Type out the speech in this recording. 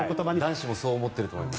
男子もそう思っていると思います。